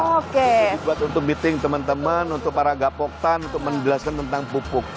oke jadi buat untuk meeting teman teman untuk para gapoktan untuk menjelaskan tentang pupuk